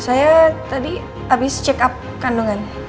saya tadi habis check up kandungan